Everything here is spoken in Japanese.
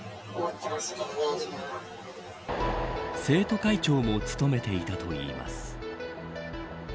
生徒会長も務めていたといいます。